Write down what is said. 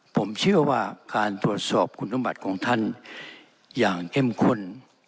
ผมเชื่อว่าการตรวจสอบคุณสมบัติของท่านอย่างเข้มข้น